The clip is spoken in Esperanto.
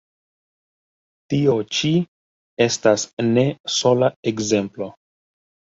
Tio ĉi estas ne sola ekzemplo.